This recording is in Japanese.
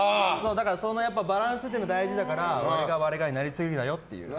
だからそのバランスって大事だから、俺が俺がになりすぎるなよって。